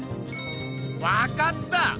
わかった！